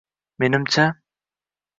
Menimcha